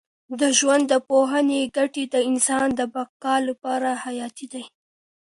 د ژوندپوهنې ګټې د انسان د بقا لپاره حیاتي دي.